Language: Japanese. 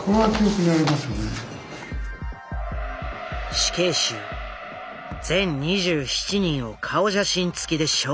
死刑囚全２７人を顔写真付きで紹介。